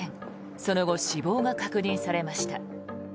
その後、死亡が確認されました。